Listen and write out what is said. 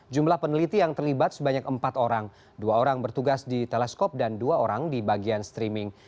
jumlah peneliti yang terlibat sebanyak empat orang dua orang bertugas di teleskop dan dua orang di bagian streaming